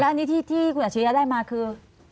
แล้วอันนี้ที่คุณอาชีพได้มาคือ